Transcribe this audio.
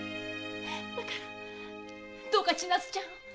だからどうか千奈津ちゃんを！